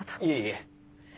いえいえ。